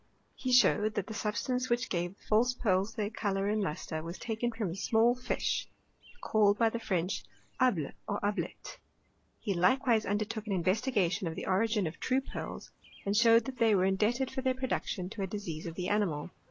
He showed that the substance which gave the false pearls their colour and lustre, was taken from a small fish called by the French able, or ablette. He likewise undertook an investigation of the origin of true pearls, and showed that they were indebted for their production to a disease of the animal.